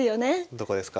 どこですか？